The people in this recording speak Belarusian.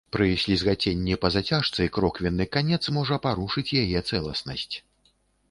Пры слізгаценні па зацяжцы кроквенны канец можа парушыць яе цэласнасць.